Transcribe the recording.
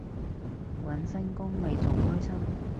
搵新工咪仲開心